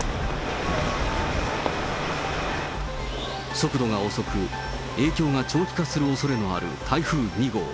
速度が遅く、影響が長期化するおそれのある台風２号。